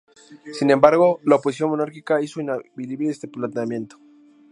Sin embargo, la oposición monárquica hizo inviable este planteamiento.